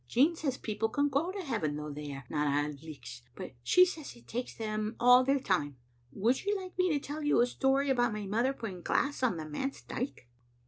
"Jean says people can go to Heaven though they are not Auld Lichts, but she says it takes them all their time. Would you like me to tell you a story about my mother putting glass on the manse dike?